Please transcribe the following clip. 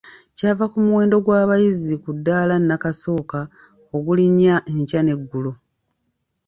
Kyava ku muwendo gw’abayizi ku ddaala nnakasooka ogulinnya enkya n’eggulo.